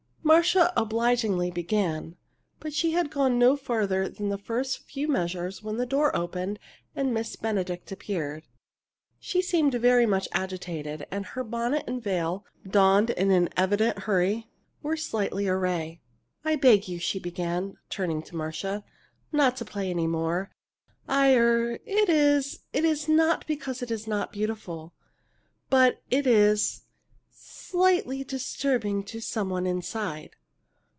Marcia obligingly began, but she had gone no farther than the first few measures when the door opened and Miss Benedict appeared. She seemed very much agitated, and her bonnet and veil, donned in an evident hurry, were slightly awry. "I beg you," she began, turning to Marcia, "not to play any more. I er it is is not because it is not beautiful, but it is is slightly disturbing to some one inside."